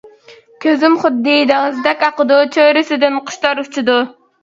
كۆزۈم خۇددى دېڭىزدەك ئاقىدۇ، چۆرىسىدىن قۇشلار ئۇچىدۇ.